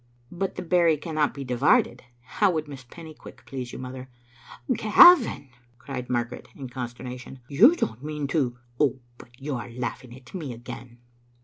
" But the berry cannot be divided. How would Miss Pennycuick please you, mother?" Gavin!" cried Margaret, in consternation, "you don't mean to But you are laughing at me again."